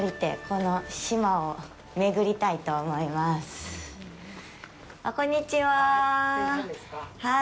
こんにちは。